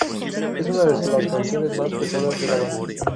Es una de las canciones más pesadas de la banda.